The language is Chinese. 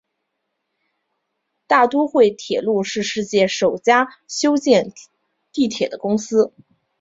大都会铁路是世界首家修建地铁的公司。